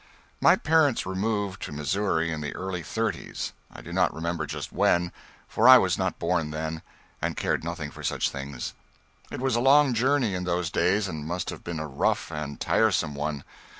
My parents removed to Missouri in the early thirties; I do not remember just when, for I was not born then, and cared nothing for such things. It was a long journey in those days, and must have been a rough and tiresome one.